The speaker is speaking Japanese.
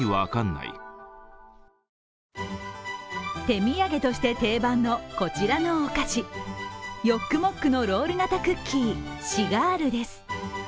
手土産として定番のこちらのお菓子、ヨックモックのロール型クッキーシガールです。